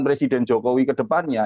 presiden jokowi ke depannya